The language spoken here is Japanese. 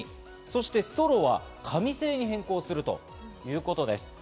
そしてストローは紙製に変更するということです。